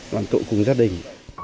hoàn tụ cùng gia đình